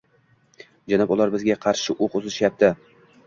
- Janob, ular bizga qarshi o'q uzishyapti!